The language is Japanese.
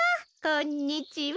こんにちは。